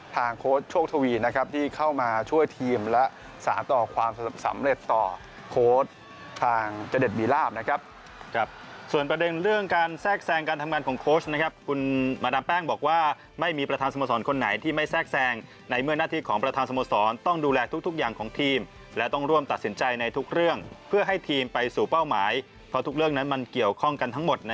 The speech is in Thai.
สามารถต่อความสำเร็จต่อโค้ชทางเจด็ดบีราบนะครับครับส่วนประเด็นเรื่องการแทรกแทรงการทำงานของโค้ชนะครับคุณมาดามแป้งบอกว่าไม่มีประธานสมสอนคนไหนที่ไม่แทรกแทรงในเมื่อหน้าที่ของประธานสมสอนต้องดูแลทุกทุกอย่างของทีมและต้องร่วมตัดสินใจในทุกเรื่องเพื่อให้ทีมไปสู่เป้าหมายเพราะทุกเรื่องนั้